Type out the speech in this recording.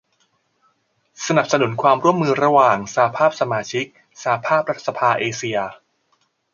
สนับสนุนความร่วมมือระหว่างสหภาพสมาชิกสหภาพรัฐสภาเอเชีย